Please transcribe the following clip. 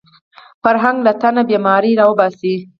فرهنګ له تنه بیماري راوباسي